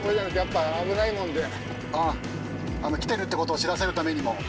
ええ。来てるってことを知らせるためにも？